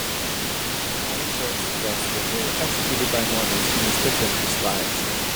Another story suggests that they were executed by Mormons who mistook them for spies.